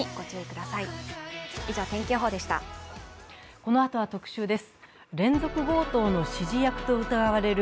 このあとは特集です。